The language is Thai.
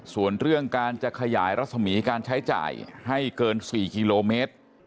ส่วนเรื่องการจะขยายรัศมีการใช้จ่ายให้เกิน๔กิโลเมตร